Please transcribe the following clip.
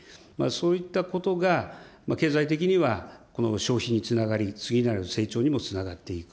そういったことが経済的には消費につながり、次なる成長にもつながっていく。